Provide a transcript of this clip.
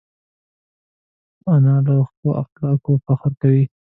انا له ښو اخلاقو فخر کوي